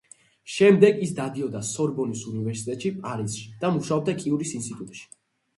შემდეგ ის დადიოდა სორბონის უნივერსიტეტში, პარიზში და მუშაობდა კიურის ინსტიტუტში.